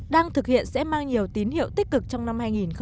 đang thực hiện sẽ mang nhiều tín hiệu tích cực trong năm hai nghìn một mươi bảy